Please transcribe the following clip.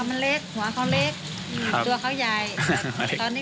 แม่จำหน้าเขาได้